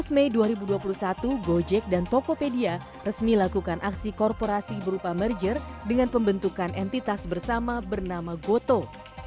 tujuh belas mei dua ribu dua puluh satu gojek dan tokopedia resmi lakukan aksi korporasi berupa merger dengan pembentukan entitas bersama bernama gotoh